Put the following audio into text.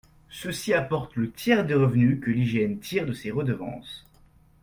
Ceux-ci apportent le tiers des revenus que l’IGN tire de ses redevances.